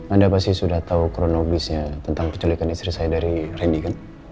anda pasti sudah tahu kronologisnya tentang penculikan istri saya dari reni kan